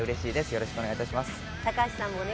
よろしくお願いします。